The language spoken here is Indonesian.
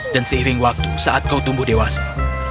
dan seiring waktu saat kau tumbuh dewasa